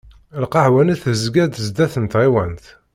Lqahwa-nni tezga-d sdat n tɣiwant.